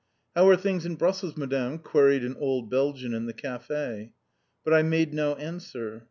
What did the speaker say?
"How are things in Brussels, Madame?" queried an old Belgian in the café. But I made no answer.